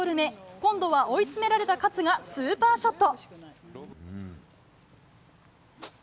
今度は追い詰められた勝がスーパーショット。